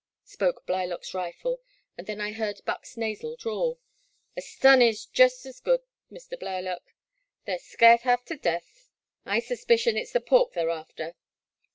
spoke Blylock* s rifle, and then I heard Buck*s nasal drawl :A stun is jest *s good, Mr. Blylock, they *re scairt haf tu deth — I suspicion it *s the pork they *re after